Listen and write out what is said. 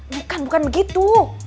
bukan bukan begitu